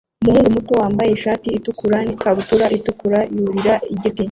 Umuhungu muto wambaye ishati itukura n'ikabutura itukura yurira igiti